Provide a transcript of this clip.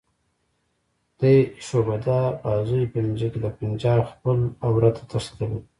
دې شعبده بازیو په نتیجه کې د پنجاب خپله عورته تښتېدلې ده.